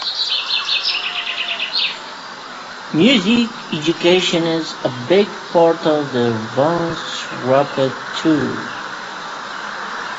Music education is a big part of the Vans Warped Tour.